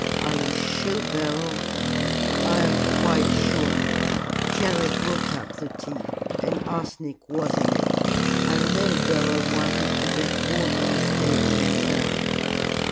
"Are you sure Beryl " "I am quite sure. Jerry brought up the tea, and arsenic was in it. I know Beryl wanted to get all the estate to himself.